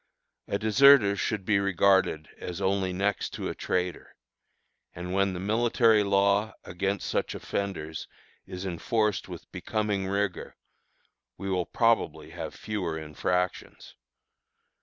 A deserter should be regarded as only next to a traitor, and when the military law against such offenders is enforced with becoming rigor, we will probably have fewer infractions.